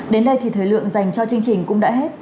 đến đây thì thời lượng dành cho chương trình cũng đã hết